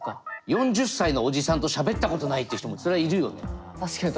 ４０歳のおじさんとしゃべったことないって人もそりゃいるよね。